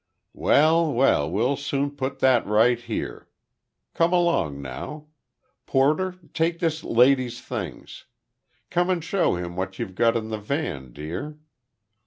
"Well, well, we'll soon put that right here. Come along now. Porter, take this lady's things. Come and show him what you've got in the van, dear."